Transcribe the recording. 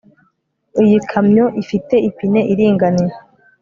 Iyi kamyo ifite ipine iringaniye